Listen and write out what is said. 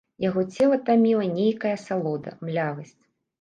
Яго цела таміла нейкая асалода, млявасць.